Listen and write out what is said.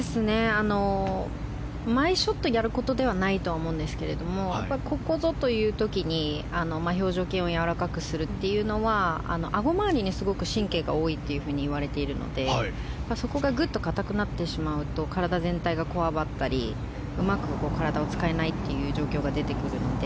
毎ショットやることではないと思うんですがここぞという時に表情筋をやわらかくするというのはアゴ周りに神経が多いといわれているのでそこがぐっと硬くなってしまうと体全体がこわばったりうまく体を使えない状況が出てくるので。